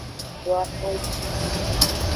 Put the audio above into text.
Do afoji.